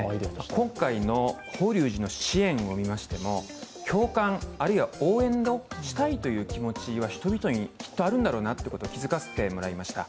今回の法隆寺の支援を見ましても、共感あるいは応援したいという気持ちは人々にきっとあるんだろうなということを気付かせてもらいました。